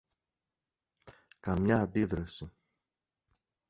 Καμιά αντίδραση